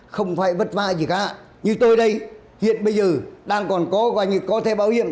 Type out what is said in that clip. không phải vất vả gì khác như tôi đây hiện bây giờ đang còn có và có thêm bảo hiểm